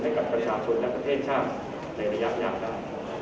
ให้กับประชาชนและประเทศชาติในระยะยาวได้